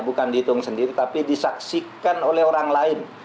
bukan dihitung sendiri tapi disaksikan oleh orang lain